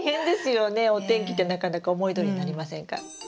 お天気ってなかなか思いどおりになりませんから。